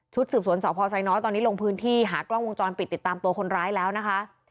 สืบสวนสพไซน้อยตอนนี้ลงพื้นที่หากล้องวงจรปิดติดตามตัวคนร้ายแล้วนะคะ